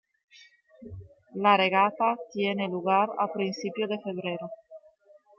La regata tiene lugar a principios de febrero.